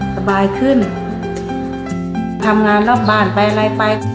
สบายขึ้นทำงานรอบบ้านไปอะไรไป